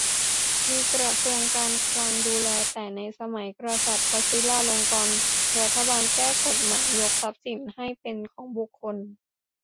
มีกระทรวงการคลังดูแล แต่ในสมัยกษัตริย์วชิราลงกรณ์ รัฐบาลแก้กฎหมายยกทรัพย์สินนี้ให้เป็นของบุคคล